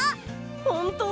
ほんと？